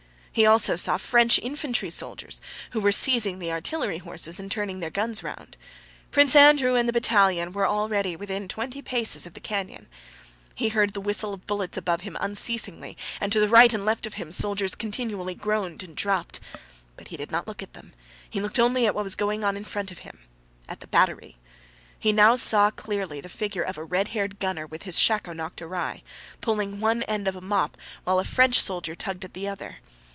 He also saw French infantry soldiers who were seizing the artillery horses and turning the guns round. Prince Andrew and the battalion were already within twenty paces of the cannon. He heard the whistle of bullets above him unceasingly and to right and left of him soldiers continually groaned and dropped. But he did not look at them: he looked only at what was going on in front of him—at the battery. He now saw clearly the figure of a red haired gunner with his shako knocked awry, pulling one end of a mop while a French soldier tugged at the other.